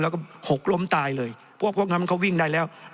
แล้วก็หกล้มตายเลยพวกนั้นเขาวิ่งได้แล้ว